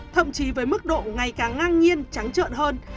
thậm chí với mức độ ngày càng ngang nhiên trắng trợn hơn